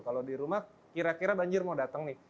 kalau di rumah kira kira banjir mau datang nih